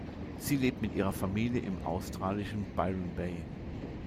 Sie lebt mit ihrer Familie im australischen Byron Bay.